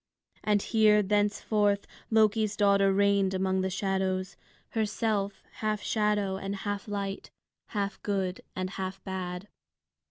And here thenceforth Loki's daughter reigned among the shadows, herself half shadow and half light, half good and half bad.